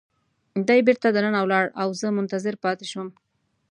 دی بیرته دننه ولاړ او ما منتظر پاتې شوم.